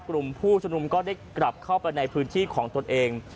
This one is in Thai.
กลุ่มผู้ชมนุมก็ได้กลับเข้าไปในพื้นที่ของตนเอง